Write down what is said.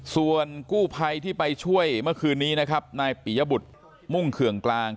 ส่วนกู้ภัยที่ไปช่วยเมื่อคืนนี้นะครับนายปียบุตรมุ่งเคืองกลาง